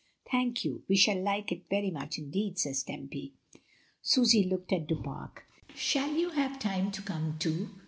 "Thank you, we shall like it very much indeed," says Tempy. Susy looked at Du Pare "Shall you have time to come, too?"